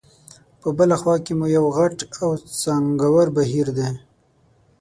په بله خوا کې مو یو غټ او څانګور بهیر دی.